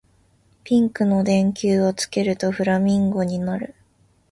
ピンクの電球をつけるとフラミンゴになる